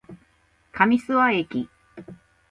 上諏訪駅